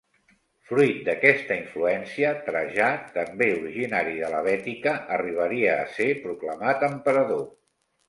Fruit d'aquesta influència, Trajà, també originari de la Bètica, arribaria a ser proclamat emperador.